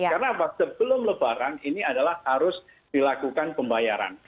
karena sebelum lebaran ini adalah harus dilakukan pembayaran